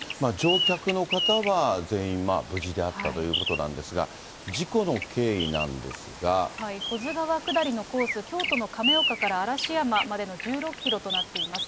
乗客の方は全員無事であったということなんですが、事故の経保津川下りのコース、京都の亀岡から嵐山までの１６キロとなっています。